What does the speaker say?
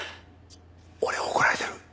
俺怒られてる？